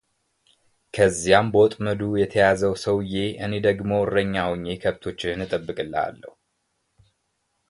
ከዚያም በወጥመዱ የተያዘው ሰውዬ እኔ ደግሞ እረኛህ ሆኜ ከብቶችህን እጠብቅልሃለሁ፡፡